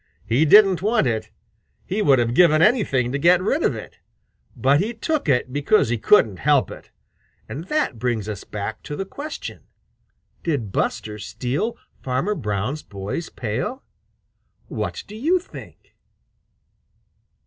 He didn't want it. He would have given anything to get rid of it. But he took it because he couldn't help it. And that brings us back to the question, did Buster steal Farmer Brown's boy's pail? What do you think?